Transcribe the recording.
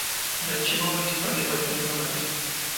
El Archivo Municipal es bastante numeroso.